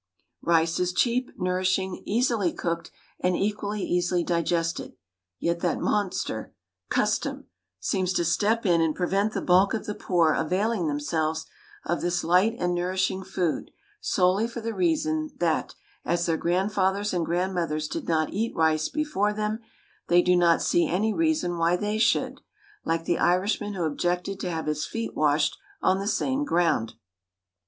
Rice is cheap, nourishing, easily cooked, and equally easily digested, yet that monster, custom, seems to step in and prevent the bulk of the poor availing themselves of this light and nourishing food solely for the reason that, as their grandfathers and grandmothers did not eat rice before them, they do not see any reason why they should, like the Irishman who objected to have his feet washed on the same ground.